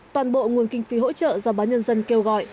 toàn bộ nguồn kinh phí hỗ trợ do báo nhân dân kêu gọi